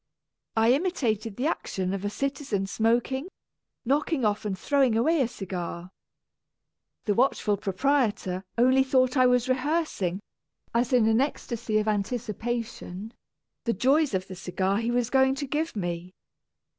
I imitated the action of a citizen smoking, knocking off and throwing away a cigar. The watchful proprietor only thought I was rehearsing (as in an ecstasy of anticipation) the joys of the cigar he was going to give me.